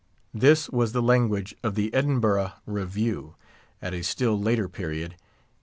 This was the language of the Edinburgh Review, at a still later period, 1824.